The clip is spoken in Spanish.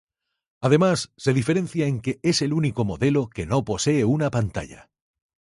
Además, se diferencia en que es el único modelo que no posee una pantalla.